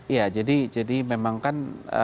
ya jadi memang kan